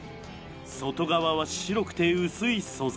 外側は白くて薄い素材。